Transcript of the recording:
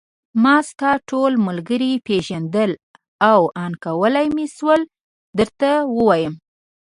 ما ستا ټول ملګري پېژندل او آن کولای مې شول درته ووایم.